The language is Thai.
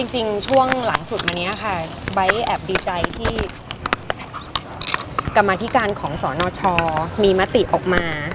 จริงช่วงหลังสุดมานี้ค่ะไบท์แอบดีใจที่กรรมาธิการของสนชมีมติออกมา